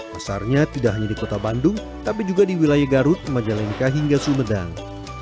pasarnya tidak hanya di kota bandung tapi juga di wilayah garut majalengka hingga sumedang